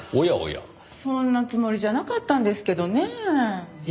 そんなつもりじゃなかったんですけどねえ。